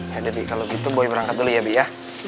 yaudah bi kalau gitu boy berangkat dulu ya bi ya